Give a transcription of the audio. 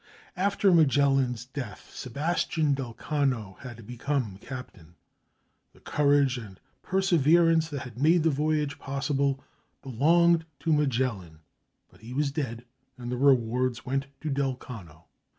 After Magellan's death, Sebastian del Cano had become cap tain. The courage and perseverance that had made the voyage possible belonged to Magellan ; but he was dead, and the rewards went to Del Cano.